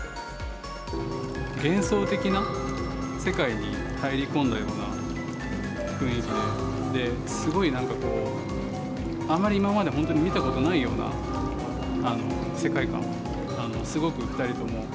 幻想的な世界に入り込んだような雰囲気で、すごいなんかこう、あまり今まで本当に見たことないような世界観。